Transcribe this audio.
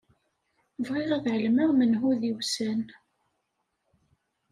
Bɣiɣ ad ɛelmeɣ menhu d-iwsan.